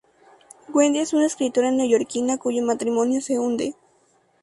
Wendy es una escritora neoyorkina cuyo matrimonio se hunde.